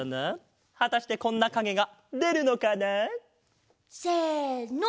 はたしてこんなかげがでるのかな？せの！